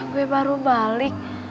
gue baru balik